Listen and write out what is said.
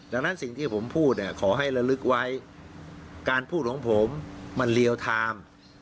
ดังนั้นสิ่งที่ผมพูดเนี่ยขอให้ระลึกไว้การพูดของผมมันเรียวไทม์